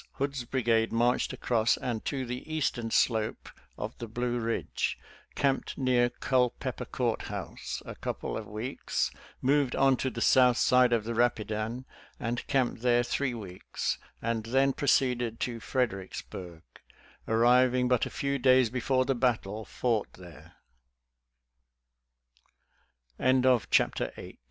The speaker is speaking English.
Hood's bri gade marched across and to the eastern slope of the Blue Ridge, camped near Culpeper Court House a couple of weeks, moved on to the south side of the Rapidan and camped there three weeks, and then proceeded to Freder icksburg, arriving but a few days before the battle